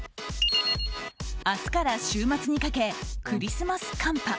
明日から週末にかけクリスマス寒波。